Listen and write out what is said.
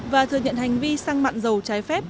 và thừa nhận hành vi sang mạng dầu trái phép